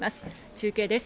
中継です。